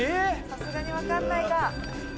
さすがにわかんないか。